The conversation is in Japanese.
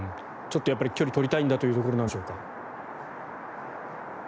ちょっとやっぱり距離を取りたいんだというところなんでしょうか。